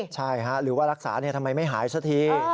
ใช่หรือว่ารักษาทำไมไม่หายสักที